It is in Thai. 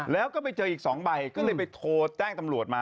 แล้วก็ไปเจออีก๒ใบก็เลยไปโทรแจ้งตำรวจมา